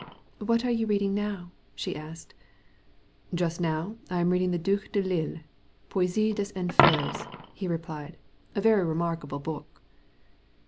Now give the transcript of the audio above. "What are you reading now?" she asked. "Just now I'm reading Duc de Lille, Poésie des Enfers," he answered. "A very remarkable book."